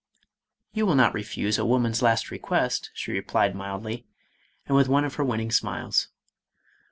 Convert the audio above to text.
" You will not refuse a woman's last request," she replied mildly, and with one of her winning smiles.